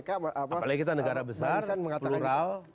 apalagi kita negara besar plural